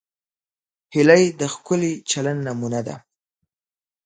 هیلۍ د ښکلي چلند نمونه ده